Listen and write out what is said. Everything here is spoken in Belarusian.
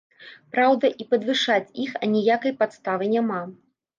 Праўда, і падвышаць іх аніякай падставы няма.